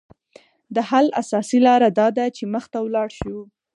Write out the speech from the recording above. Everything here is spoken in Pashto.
د حل اساسي لاره داده چې مخ ته ولاړ شو